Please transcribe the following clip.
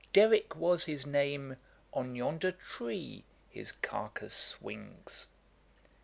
Derrick was his name, On yonder tree his carcase swings!'